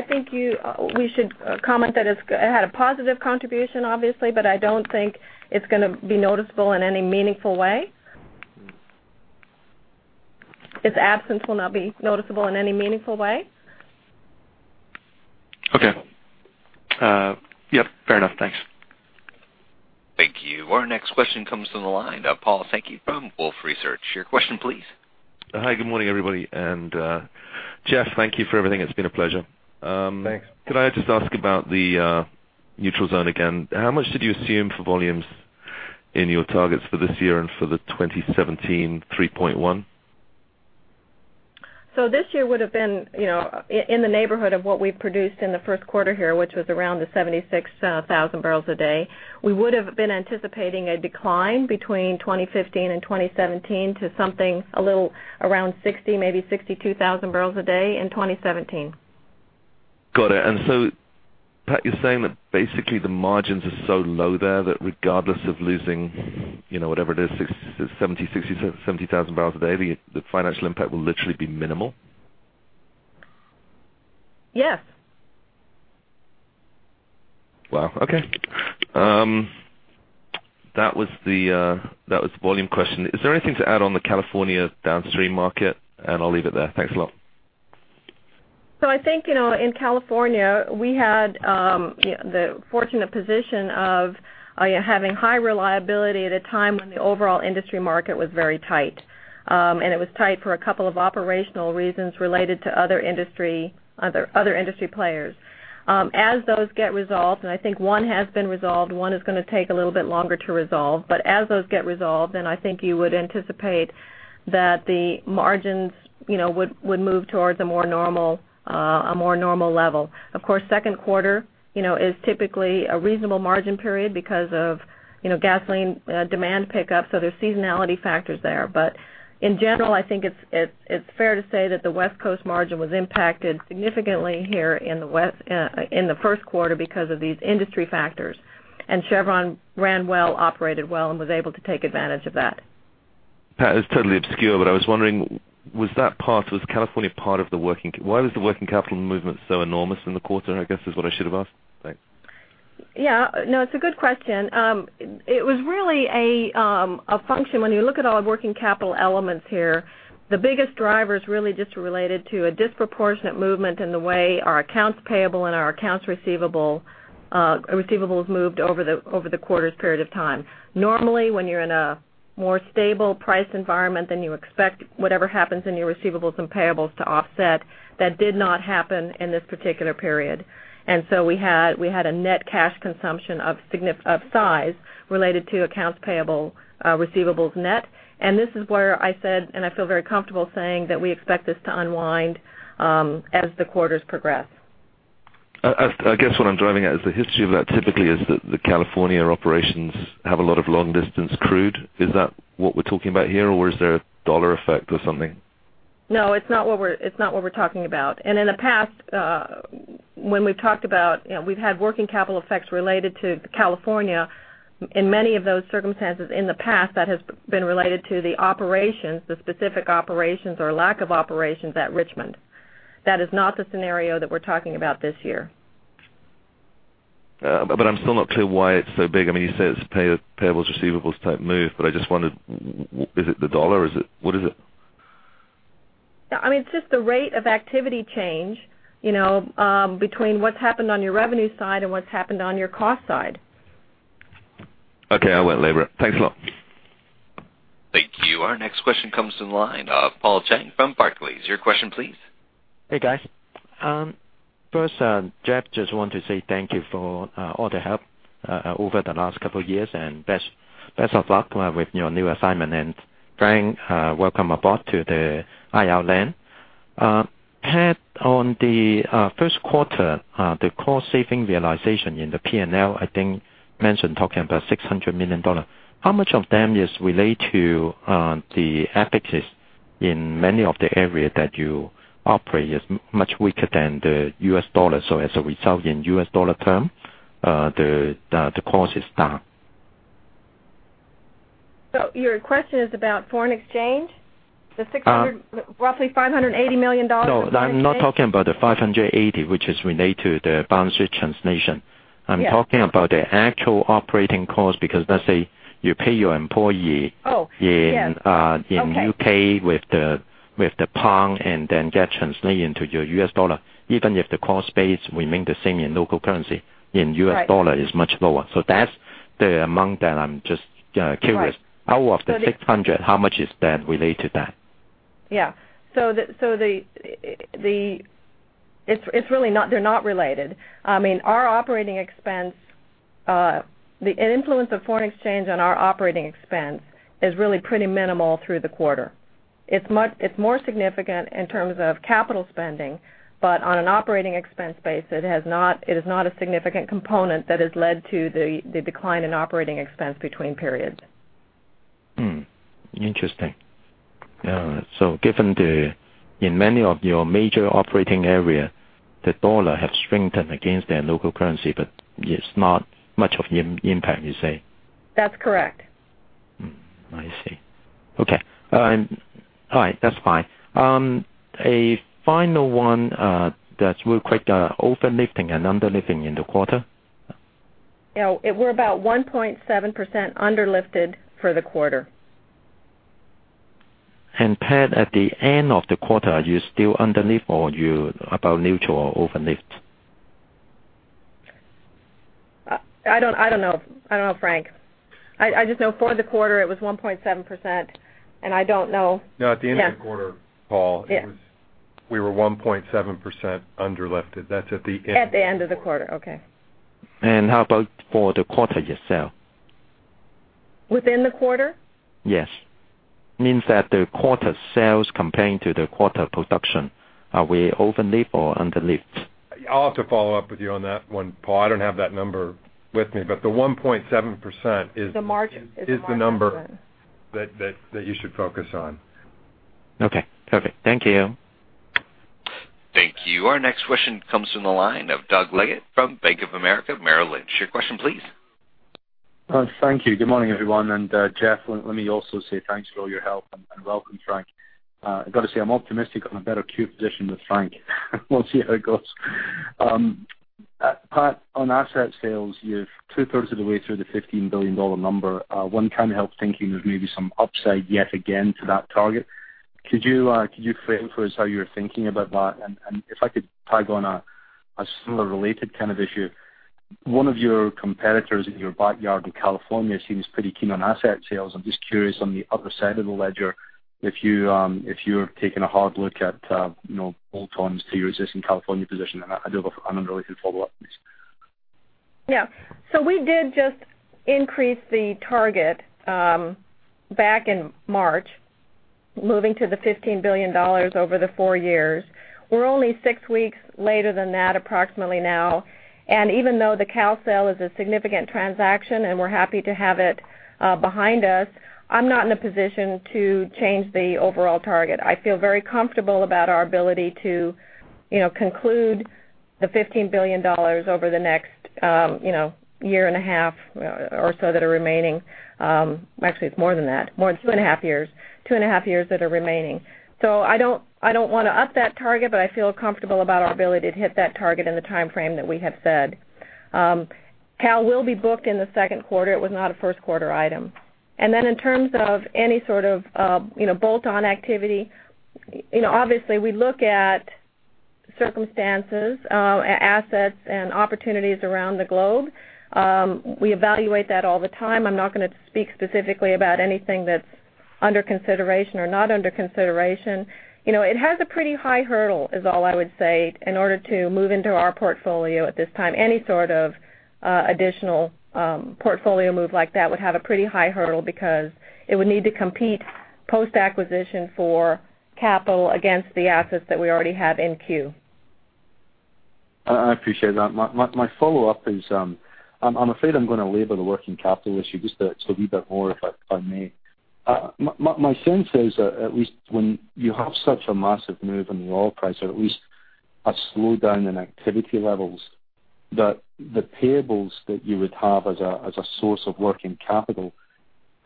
B: think we should comment that it had a positive contribution, obviously, but I don't think it's going to be noticeable in any meaningful way. Its absence will not be noticeable in any meaningful way.
G: Okay. Fair enough. Thanks.
A: Thank you. Our next question comes from the line of Paul Sankey from Wolfe Research. Your question, please.
H: Hi, good morning, everybody. Jeff, thank you for everything. It's been a pleasure.
C: Thanks.
H: Could I just ask about the Partitioned Zone again? How much did you assume for volumes in your targets for this year and for the 2017 3.1?
B: This year would have been in the neighborhood of what we've produced in the first quarter here, which was around the 76,000 barrels a day. We would have been anticipating a decline between 2015 and 2017 to something a little around 60, maybe 62,000 barrels a day in 2017.
H: Got it. Pat, you're saying that basically the margins are so low there that regardless of losing whatever it is, 60, 70,000 barrels a day, the financial impact will literally be minimal?
B: Yes.
H: Wow. Okay. That was the volume question. Is there anything to add on the California downstream market? I'll leave it there. Thanks a lot.
B: I think, in California, we had the fortunate position of having high reliability at a time when the overall industry market was very tight. It was tight for a couple of operational reasons related to other industry players. As those get resolved, and I think one has been resolved, one is going to take a little bit longer to resolve, but as those get resolved, then I think you would anticipate that the margins would move towards a more normal level. Of course, second quarter is typically a reasonable margin period because of gasoline demand pickup, so there's seasonality factors there. In general, I think it's fair to say that the West Coast margin was impacted significantly here in the first quarter because of these industry factors. Chevron ran well, operated well, and was able to take advantage of that.
H: Pat, this is totally obscure, but I was wondering, why was the working capital movement so enormous in the quarter, I guess, is what I should have asked? Thanks.
B: Yeah. No, it's a good question. It was really a function, when you look at all the working capital elements here, the biggest driver's really just related to a disproportionate movement in the way our accounts payable and our accounts receivable have moved over the quarter's period of time. Normally, when you're in a more stable price environment, then you expect whatever happens in your receivables and payables to offset. That did not happen in this particular period. We had a net cash consumption of size related to accounts payable, receivables net. This is where I said, and I feel very comfortable saying, that we expect this to unwind as the quarters progress.
H: I guess what I'm driving at is the history of that typically is that the California operations have a lot of long-distance crude. Is that what we're talking about here, or is there a dollar effect or something?
B: It's not what we're talking about. In the past, when we've talked about, we've had working capital effects related to California. In many of those circumstances in the past, that has been related to the operations, the specific operations or lack of operations at Richmond. That is not the scenario that we're talking about this year.
H: I'm still not clear why it's so big. You say it's payables, receivables type move, but I just wondered, is it the U.S. dollar? What is it?
B: It's just the rate of activity change, between what's happened on your revenue side and what's happened on your cost side.
H: Okay. I won't labor it. Thanks a lot.
A: Thank you. Our next question comes to the line of Paul Cheng from Barclays. Your question, please.
I: Hey, guys. First, Jeff, just want to say thank you for all the help over the last couple of years. Best of luck with your new assignment. Frank, welcome aboard to the IR land. Pat, on the first quarter, the cost saving realization in the P&L, I think, mentioned talking about $600 million. How much of them is related to the equities in many of the areas that you operate is much weaker than the U.S. dollar. As a result, in U.S. dollar term, the cost is down.
B: Your question is about foreign exchange? The roughly $580 million foreign exchange?
I: No, I'm not talking about the $580, which is related to the balance sheet translation.
B: Yes.
I: I'm talking about the actual operating cost because let's say you pay your employee
B: Oh, yes. Okay
I: in U.K. with the pound and then get translated into your U.S. dollar. Even if the cost base remain the same in local currency, in U.S. dollar it's much lower. That's the amount that I'm just curious.
B: Right.
I: Out of the $600, how much is that related to that?
B: Yeah. They're not related. Our operating expense, the influence of foreign exchange on our operating expense is really pretty minimal through the quarter. It's more significant in terms of capital spending, but on an operating expense base, it is not a significant component that has led to the decline in operating expense between periods.
I: Given in many of your major operating area, the dollar have strengthened against their local currency, but it's not much of impact, you say.
B: That's correct.
I: I see. Okay. All right. That's fine. A final one that's real quick. Overlifting and underlifting in the quarter?
B: We're about 1.7% underlifted for the quarter.
I: Pat, at the end of the quarter, are you still underlift or you about neutral or overlift?
B: I don't know. I don't know, Frank. I just know for the quarter it was 1.7%.
C: No, at the end of the quarter, Paul, we were 1.7% underlifted. That's at the end.
B: At the end of the quarter. Okay.
I: How about for the quarter yourself?
B: Within the quarter?
I: Yes. Means that the quarter sales comparing to the quarter production. Are we overlift or underlift?
C: I'll have to follow up with you on that one, Paul. I don't have that number with me, but the 1.7% is-
B: The margin
C: is the number that you should focus on.
I: Okay, perfect. Thank you.
A: Thank you. Our next question comes from the line of Douglas Leggate from Bank of America Merrill Lynch. Your question, please.
J: Thank you. Good morning, everyone, Jeff, let me also say thanks for all your help and welcome, Frank. I got to say, I'm optimistic on a better queue position with Frank. We'll see how it goes. Pat, on asset sales, you're two-thirds of the way through the $15 billion number. One can't help thinking there's maybe some upside yet again to that target. Could you frame for us how you're thinking about that? If I could tag on a similar related kind of issue, one of your competitors in your backyard in California seems pretty keen on asset sales. I'm just curious on the other side of the ledger, if you're taking a hard look at bolt-ons to your existing California position. I do have an unrelated follow-up, please.
B: Yeah. We did just increase the target back in March, moving to the $15 billion over the four years. We're only six weeks later than that approximately now. Even though the Caltex sale is a significant transaction and we're happy to have it behind us, I'm not in a position to change the overall target. I feel very comfortable about our ability to conclude the $15 billion over the next year and a half or so that are remaining. Actually, it's more than that. More than two and a half years that are remaining. I don't want to up that target, but I feel comfortable about our ability to hit that target in the timeframe that we have said. Caltex will be booked in the second quarter. It was not a first quarter item. In terms of any sort of bolt-on activity, obviously we look at circumstances, assets, and opportunities around the globe. We evaluate that all the time. I'm not going to speak specifically about anything that's under consideration or not under consideration. It has a pretty high hurdle, is all I would say, in order to move into our portfolio at this time. Any sort of additional portfolio move like that would have a pretty high hurdle because it would need to compete post-acquisition for capital against the assets that we already have in queue.
J: I appreciate that. My follow-up is, I'm afraid I'm going to labor the working capital issue just a wee bit more, if I may. My sense is that at least when you have such a massive move in the oil price, or at least a slowdown in activity levels, that the payables that you would have as a source of working capital,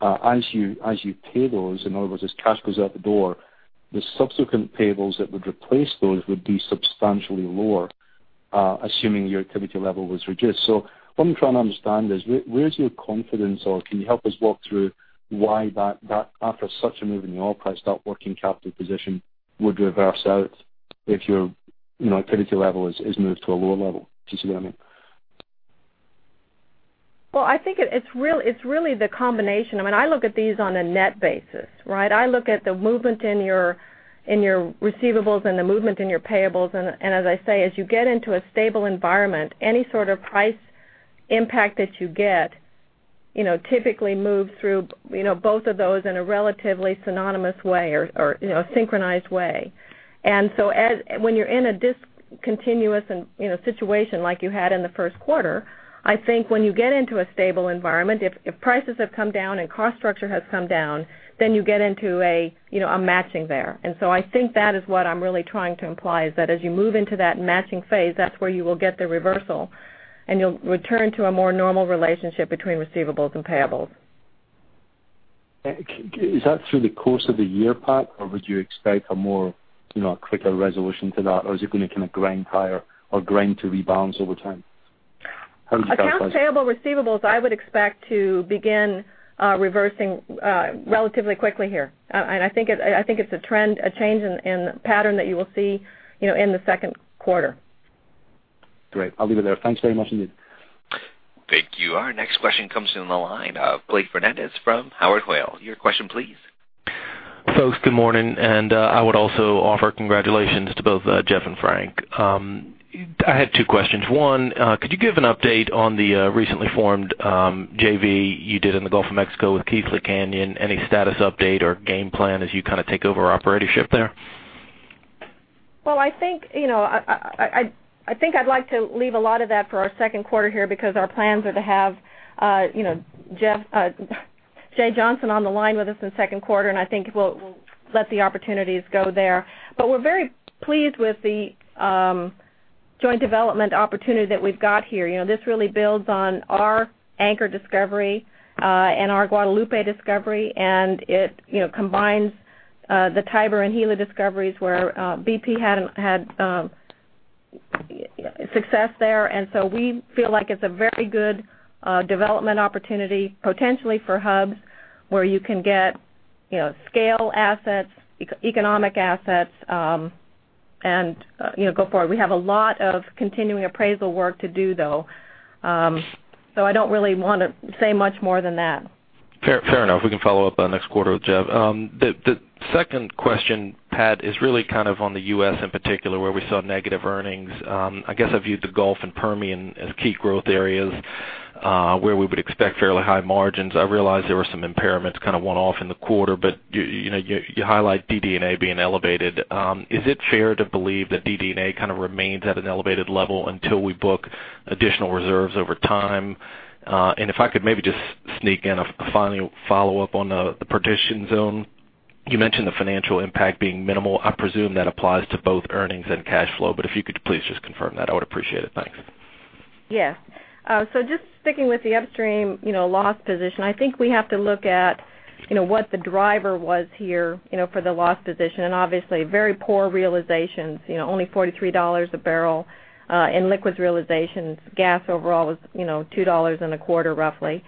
J: as you pay those, in other words, as cash goes out the door, the subsequent payables that would replace those would be substantially lower, assuming your activity level was reduced. What I'm trying to understand is, where's your confidence, or can you help us walk through why that after such a move in the oil price, that working capital position would reverse out if your activity level is moved to a lower level? Do you see what I mean?
B: Well, I think it's really the combination. I look at these on a net basis, right? I look at the movement in your receivables and the movement in your payables, and as I say, as you get into a stable environment, any sort of price impact that you get, typically move through both of those in a relatively synonymous way or synchronized way. When you're in a discontinuous situation like you had in the first quarter, I think when you get into a stable environment, if prices have come down and cost structure has come down, then you get into a matching there. I think that is what I'm really trying to imply is that as you move into that matching phase, that's where you will get the reversal, and you'll return to a more normal relationship between receivables and payables.
J: Is that through the course of the year, Pat, or would you expect a more quicker resolution to that, or is it going to grind higher or grind to rebalance over time? How would you characterize-
B: Accounts payable, receivables, I would expect to begin reversing relatively quickly here. I think it's a change in pattern that you will see in the second quarter.
J: Great. I'll leave it there. Thanks very much indeed.
A: Thank you. Our next question comes from the line of Blake Fernandez from Howard Weil. Your question, please.
K: Folks, good morning, and I would also offer congratulations to both Jeff and Frank. I had two questions. One, could you give an update on the recently formed JV you did in the Gulf of Mexico with Keathley Canyon? Any status update or game plan as you take over operatorship there?
B: Well, I think I'd like to leave a lot of that for our second quarter here, because our plans are to have Jay Johnson on the line with us in the second quarter, and I think we'll let the opportunities go there. We're very pleased with the joint development opportunity that we've got here. This really builds on our Anchor discovery, and our Guadalupe discovery, and it combines the Tiber and Gila discoveries where BP had success there. We feel like it's a very good development opportunity, potentially for hubs, where you can get scale assets, economic assets, and go forward. We have a lot of continuing appraisal work to do, though. I don't really want to say much more than that.
K: Fair enough. We can follow up on next quarter with Jeff. The second question, Pat, is really on the U.S. in particular, where we saw negative earnings. I guess I viewed the Gulf and Permian as key growth areas, where we would expect fairly high margins. I realize there were some impairments, one-off in the quarter, but you highlight DD&A being elevated. Is it fair to believe that DD&A remains at an elevated level until we book additional reserves over time? If I could maybe just sneak in a final follow-up on the Partitioned Zone. You mentioned the financial impact being minimal. I presume that applies to both earnings and cash flow, but if you could please just confirm that, I would appreciate it. Thanks.
B: Yes. Just sticking with the upstream loss position, I think we have to look at what the driver was here for the loss position, and obviously very poor realizations. Only $43 a barrel in liquids realizations. Gas overall was $2 and a quarter roughly.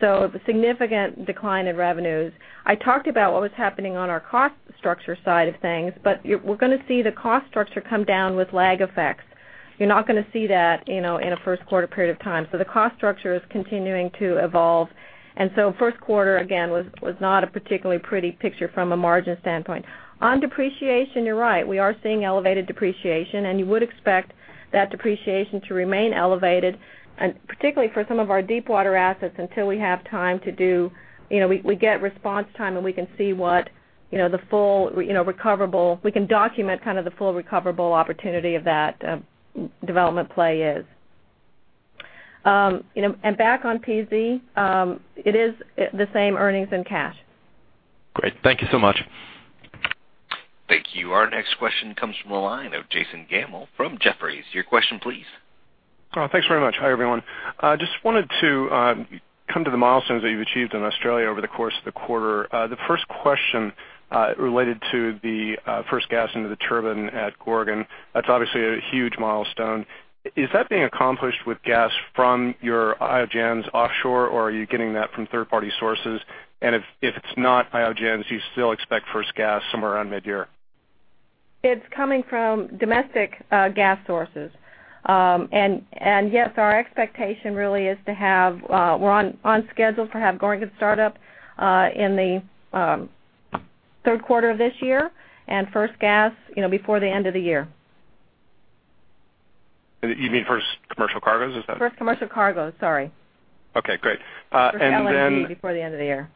B: The significant decline in revenues. I talked about what was happening on our cost structure side of things, but we're going to see the cost structure come down with lag effects. You're not going to see that in a first quarter period of time. The cost structure is continuing to evolve. First quarter, again, was not a particularly pretty picture from a margin standpoint. On depreciation, you're right. We are seeing elevated depreciation, and you would expect that depreciation to remain elevated, and particularly for some of our deep water assets until we get response time and we can document the full recoverable opportunity of that development play is. Back on PZ, it is the same earnings and cash.
K: Great. Thank you so much.
A: Thank you. Our next question comes from the line of Jason Gammel from Jefferies. Your question, please.
L: Thanks very much. Hi, everyone. Just wanted to come to the milestones that you've achieved in Australia over the course of the quarter. The first question related to the first gas into the turbine at Gorgon. That's obviously a huge milestone. Is that being accomplished with gas from your Jansz-Io offshore, or are you getting that from third-party sources? If it's not Jansz-Io, do you still expect first gas somewhere around mid-year?
B: It's coming from domestic gas sources. Yes, our expectation really is we're on schedule to have Gorgon start up in the third quarter of this year and first gas before the end of the year.
L: You mean first commercial cargoes? Is that?
B: First commercial cargo. Sorry.
L: Okay, great.
B: First LNG before the end of the year.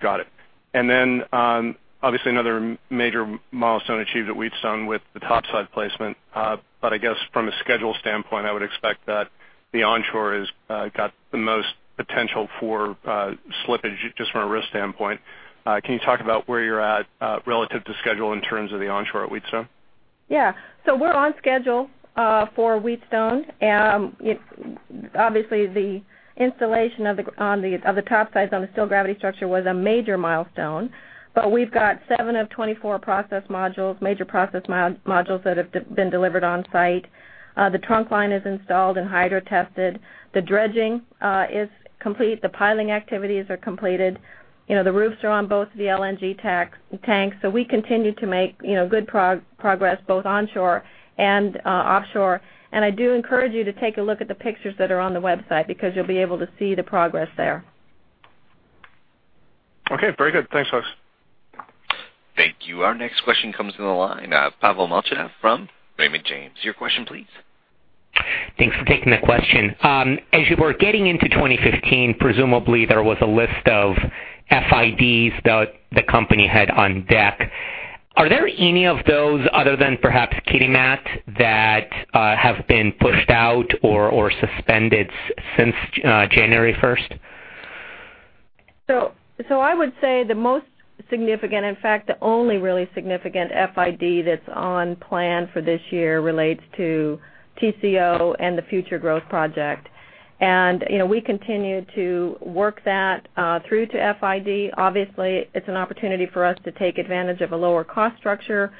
L: Got it. Obviously another major milestone achieved at Wheatstone with the topside placement. I guess from a schedule standpoint, I would expect that the onshore has got the most potential for slippage just from a risk standpoint. Can you talk about where you're at relative to schedule in terms of the onshore at Wheatstone?
B: Yeah. We're on schedule for Wheatstone. Obviously, the installation of the topsides on the steel gravity structure was a major milestone. We've got seven of 24 major process modules that have been delivered on site. The trunk line is installed and hydro-tested. The dredging is complete. The piling activities are completed. The roofs are on both the LNG tanks. We continue to make good progress both onshore and offshore. I do encourage you to take a look at the pictures that are on the website, because you'll be able to see the progress there.
L: Okay, very good. Thanks, folks.
A: Thank you. Our next question comes on the line, Pavel Molchanov from Raymond James. Your question, please.
M: Thanks for taking the question. As you were getting into 2015, presumably there was a list of FIDs that the company had on deck. Are there any of those other than perhaps Kitimat that have been pushed out or suspended since January 1st?
B: I would say the most significant, in fact, the only really significant FID that's on plan for this year relates to TCO and the future growth project. We continue to work that through to FID. Obviously, it's an opportunity for us to take advantage of a lower cost structure.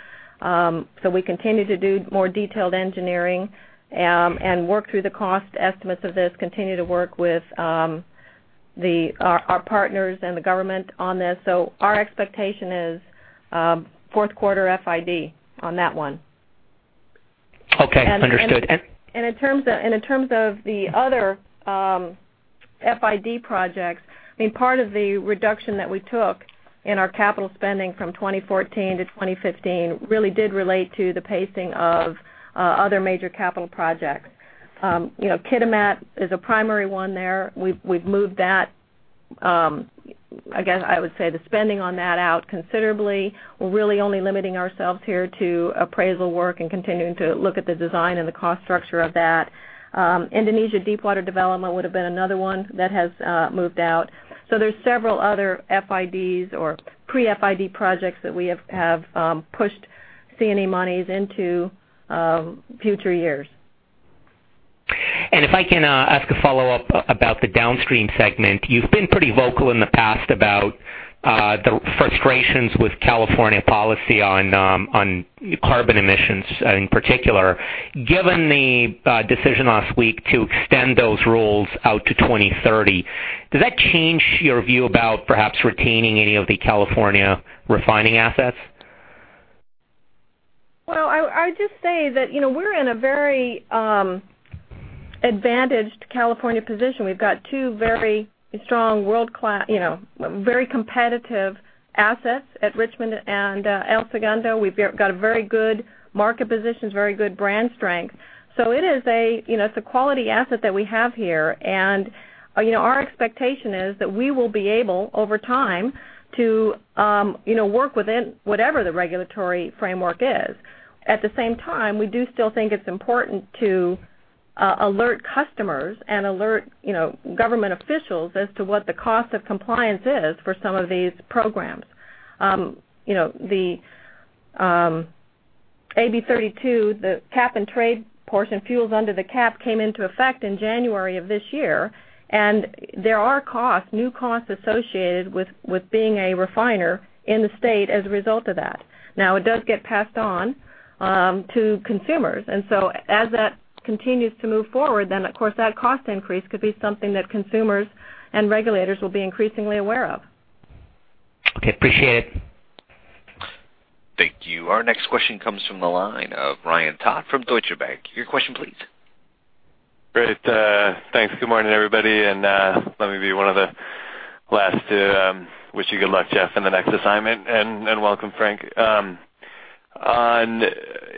B: We continue to do more detailed engineering and work through the cost estimates of this, continue to work with our partners and the government on this. Our expectation is fourth quarter FID on that one.
M: Okay, understood.
B: In terms of the other FID projects, part of the reduction that we took in our capital spending from 2014 to 2015 really did relate to the pacing of other major capital projects. Kitimat is a primary one there. We've moved that, I would say the spending on that out considerably. We're really only limiting ourselves here to appraisal work and continuing to look at the design and the cost structure of that. Indonesia Deep Water Development would have been another one that has moved out. There's several other FIDs or pre-FID projects that we have pushed C&E monies into future years.
M: If I can ask a follow-up about the downstream segment. You've been pretty vocal in the past about the frustrations with California policy on carbon emissions in particular. Given the decision last week to extend those rules out to 2030, does that change your view about perhaps retaining any of the California refining assets?
B: I would just say that we're in a very advantaged California position. We've got two very strong, very competitive assets at Richmond and El Segundo. We've got a very good market position, very good brand strength. It's a quality asset that we have here, and our expectation is that we will be able, over time, to work within whatever the regulatory framework is. At the same time, we do still think it's important to alert customers and alert government officials as to what the cost of compliance is for some of these programs. The AB 32, the cap and trade portion, fuels under the cap came into effect in January of this year, there are new costs associated with being a refiner in the state as a result of that. It does get passed on to consumers. As that continues to move forward, of course, that cost increase could be something that consumers and regulators will be increasingly aware of.
M: Appreciate it.
A: Thank you. Our next question comes from the line of Ryan Todd from Deutsche Bank. Your question, please.
N: Great. Thanks. Good morning, everybody. Let me be one of the last to wish you good luck, Jeff, in the next assignment. Welcome, Frank.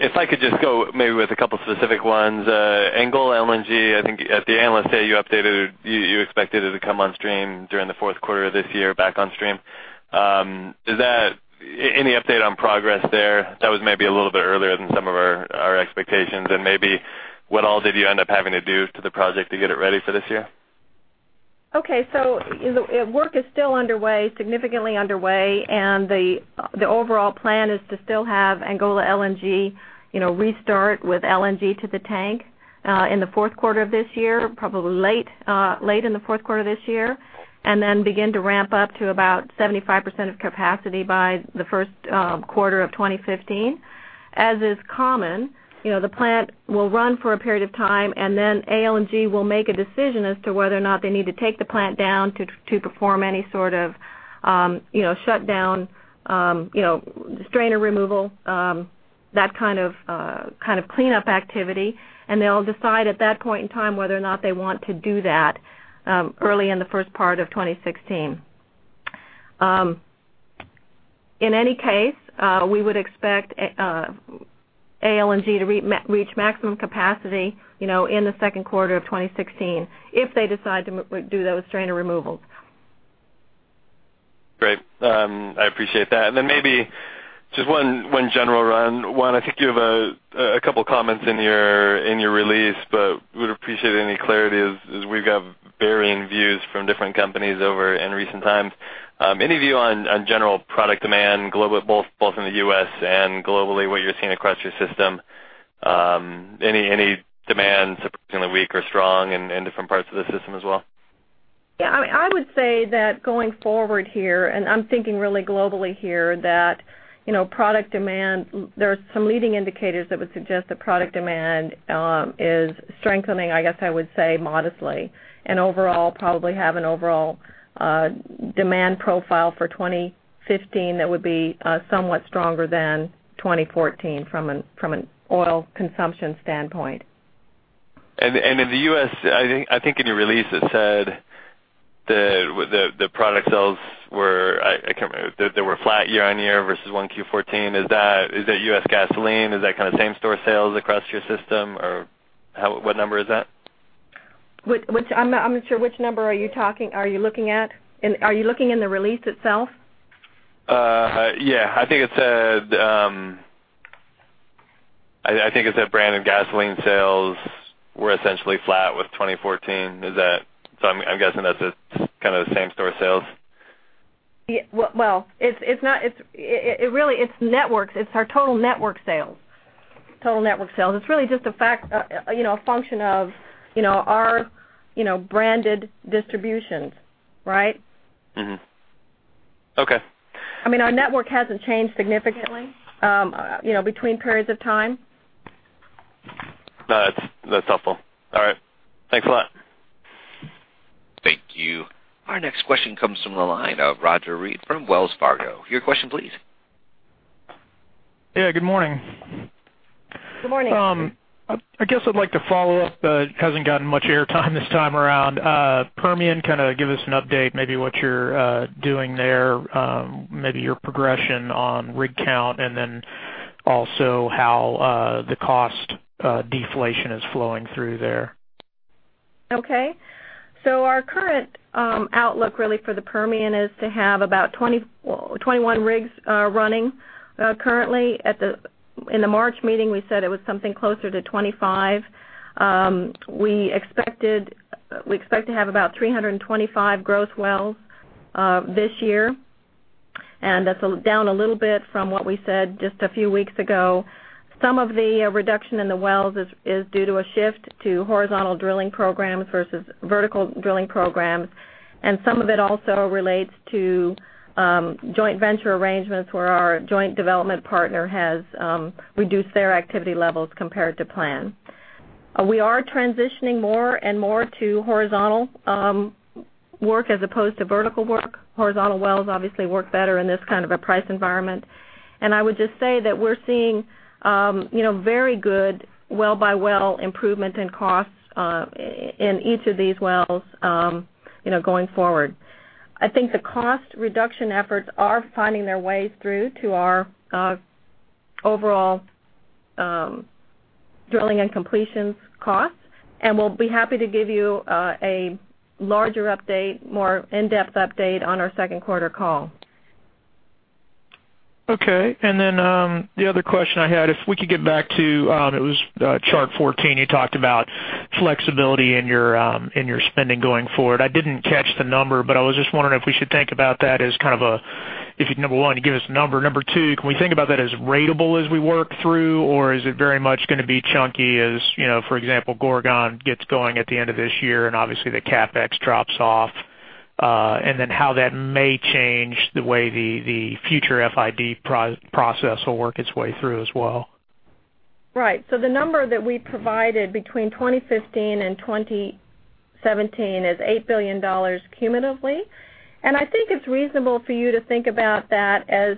N: If I could just go maybe with a couple specific ones. Angola LNG, I think at the Analyst Day you updated you expected it to come on stream during the fourth quarter of this year, back on stream. Any update on progress there? That was maybe a little bit earlier than some of our expectations. Maybe what all did you end up having to do to the project to get it ready for this year?
B: Okay. Work is still underway, significantly underway. The overall plan is to still have Angola LNG restart with LNG to the tank in the fourth quarter of this year, probably late in the fourth quarter this year. Begin to ramp up to about 75% of capacity by the first quarter of 2016. As is common, the plant will run for a period of time. ALNG will make a decision as to whether or not they need to take the plant down to perform any sort of shutdown, strainer removal, that kind of cleanup activity. They'll decide at that point in time whether or not they want to do that early in the first part of 2016. In any case, we would expect ALNG to reach maximum capacity in the second quarter of 2016 if they decide to do those strainer removals.
N: Great. I appreciate that. Maybe just one general one. I think you have a couple comments in your release. We would appreciate any clarity, as we've got varying views from different companies over in recent times. Any view on general product demand, both in the U.S. and globally, what you're seeing across your system? Any demands particularly weak or strong in different parts of the system as well?
B: Yeah. I would say that going forward here. I'm thinking really globally here, that there are some leading indicators that would suggest that product demand is strengthening, I guess I would say modestly. Overall, probably have an overall demand profile for 2015 that would be somewhat stronger than 2014 from an oil consumption standpoint.
N: In the U.S., I think in your release it said the product sales were, I can't remember, they were flat year-over-year versus 1Q 2014. Is that U.S. gasoline? Is that same-store sales across your system? Or what number is that?
B: I'm not sure which number are you looking at? Are you looking in the release itself?
N: Yeah. I think it said branded gasoline sales were essentially flat with 2014. I'm guessing that's same-store sales.
B: Well, it's networks. It's our total network sales. It's really just a function of our branded distributions. Right?
N: Mm-hmm. Okay.
B: Our network hasn't changed significantly between periods of time.
N: No, that's helpful. All right. Thanks a lot.
A: Thank you. Our next question comes from the line of Roger Read from Wells Fargo. Your question please.
O: Yeah, good morning.
B: Good morning.
O: I guess I'd like to follow up, but hasn't gotten much air time this time around. Permian, give us an update, maybe what you're doing there, maybe your progression on rig count, and then also how the cost deflation is flowing through there.
B: Okay. Our current outlook really for the Permian is to have about 21 rigs running currently. In the March meeting, we said it was something closer to 25. We expect to have about 325 gross wells this year, and that's down a little bit from what we said just a few weeks ago. Some of the reduction in the wells is due to a shift to horizontal drilling programs versus vertical drilling programs, and some of it also relates to joint venture arrangements where our joint development partner has reduced their activity levels compared to plan. We are transitioning more and more to horizontal work as opposed to vertical work. Horizontal wells obviously work better in this kind of a price environment. I would just say that we're seeing very good well-by-well improvement in costs in each of these wells going forward. I think the cost reduction efforts are finding their way through to our overall drilling and completions costs, and we'll be happy to give you a larger update, more in-depth update on our second quarter call.
O: Okay. The other question I had, if we could get back to, it was chart 14, you talked about flexibility in your spending going forward. I didn't catch the number, but I was just wondering if we should think about that as a, if you, number one, you give us a number. Number two, can we think about that as ratable as we work through, or is it very much going to be chunky as, for example, Gorgon gets going at the end of this year and obviously the CapEx drops off? How that may change the way the future FID process will work its way through as well.
B: Right. The number that we provided between 2015 and 2017 is $8 billion cumulatively. I think it's reasonable for you to think about that as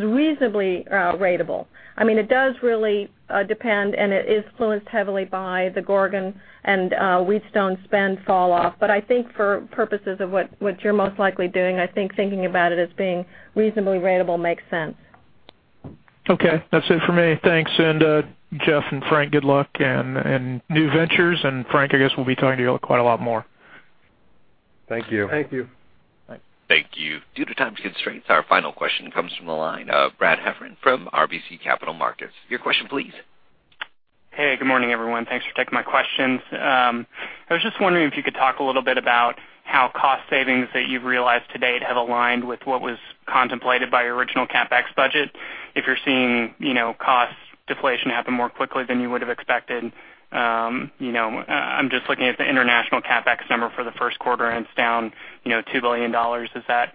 B: reasonably ratable. It does really depend, and it is influenced heavily by the Gorgon and Wheatstone spend fall off. I think for purposes of what you're most likely doing, I think thinking about it as being reasonably ratable makes sense.
O: Okay. That's it for me. Thanks. Jeff and Frank, good luck in new ventures. Frank, I guess we'll be talking to you quite a lot more.
P: Thank you.
C: Thank you.
A: Thank you. Due to time constraints, our final question comes from the line of Brad Heffern from RBC Capital Markets. Your question please.
Q: Hey, good morning, everyone. Thanks for taking my questions. I was just wondering if you could talk a little bit about how cost savings that you've realized to date have aligned with what was contemplated by your original CapEx budget. If you're seeing cost deflation happen more quickly than you would have expected. I'm just looking at the international CapEx number for the first quarter, and it's down $2 billion. Is that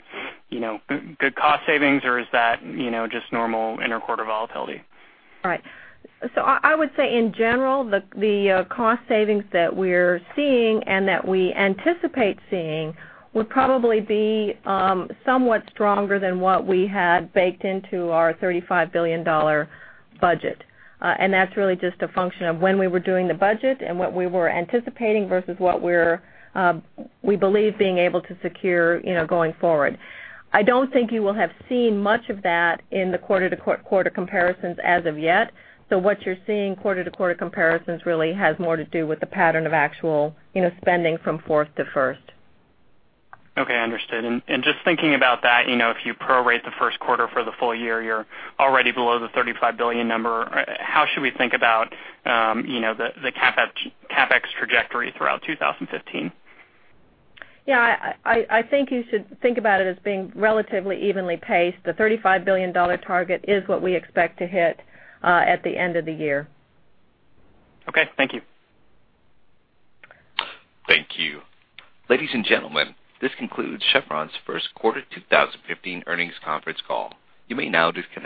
Q: good cost savings, or is that just normal inter-quarter volatility?
B: Right. I would say in general, the cost savings that we're seeing and that we anticipate seeing would probably be somewhat stronger than what we had baked into our $35 billion budget. That's really just a function of when we were doing the budget and what we were anticipating versus what we believe being able to secure going forward. I don't think you will have seen much of that in the quarter-to-quarter comparisons as of yet. What you're seeing quarter-to-quarter comparisons really has more to do with the pattern of actual spending from fourth to first.
Q: Okay, understood. Just thinking about that, if you pro rate the first quarter for the full year, you're already below the $35 billion number. How should we think about the CapEx trajectory throughout 2015?
B: Yeah, I think you should think about it as being relatively evenly paced. The $35 billion target is what we expect to hit at the end of the year.
Q: Okay, thank you.
A: Thank you. Ladies and gentlemen, this concludes Chevron's first quarter 2015 earnings conference call. You may now disconnect.